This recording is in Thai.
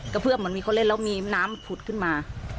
เพื่อเหมือนมีเขาเล่นแล้วมีน้ำผุดขึ้นมา